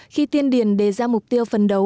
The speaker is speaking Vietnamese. khi tiên điển đề ra mục tiêu phần đấu